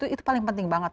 itu paling penting banget